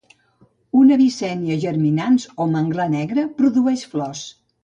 Un Avicennia germinans, o manglar negre, produeix flors.